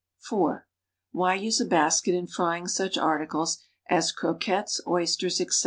(i) Why use a basket in frying such articles as croquettes, oysters, etc.?